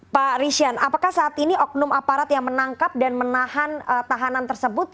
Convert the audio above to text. pak rishan apakah saat ini oknum aparat yang menangkap dan menahan tahanan tersebut